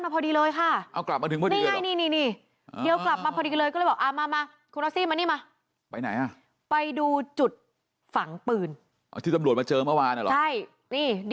พวกกันนี้มึงพี่มากครับ